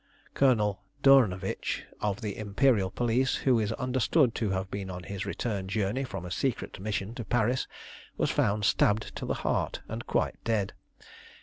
Colonel Dornovitch, of the Imperial Police, who is understood to have been on his return journey from a secret mission to Paris, was found stabbed to the heart and quite dead.